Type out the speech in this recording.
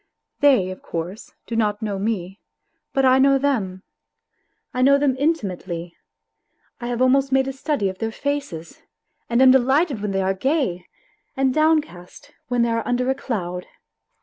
They, of course, do not know me, but I know them. I know them intimately, I have almost made a study of their faces, and am delighted when they are gay, and downcast when they are under a cloud.